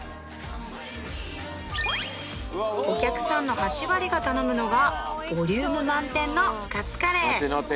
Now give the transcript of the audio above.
お客さんの８割が頼むのがボリューム満点のカツカレー